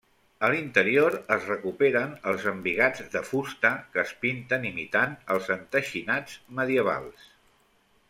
A l'interior es recuperen els embigats de fusta que es pinten imitant els enteixinats medievals.